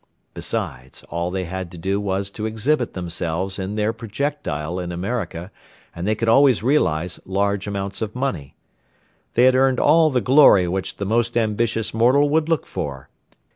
Besides, all they had to do was to exhibit themselves in their projectile in America and they could always realize large amounts of money. They had earned all the glory which the most ambitious mortal would look for.